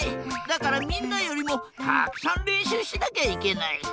だからみんなよりもたくさんれんしゅうしなきゃいけない。